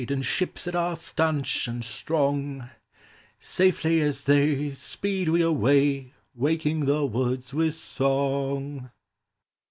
In ships that are stanch and strong: Safely as they Speed we away, Waking the woods with song."